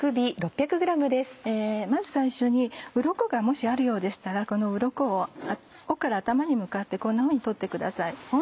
まず最初にウロコがもしあるようでしたらこのウロコを尾から頭に向かってこんなふうに取ってください。